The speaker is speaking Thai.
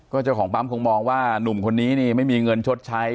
เจ้าของปั๊มคงมองว่านุ่มคนนี้นี่ไม่มีเงินชดใช้